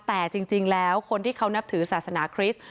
แต่จริงแล้วคนที่เขานับถือศาสนาคริสต์